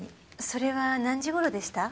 それは何時頃でした？